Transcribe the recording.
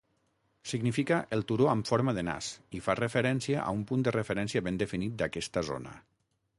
Significa "el turó amb forma de nas" i fa referència a un punt de referència ben definit d'aquesta zona.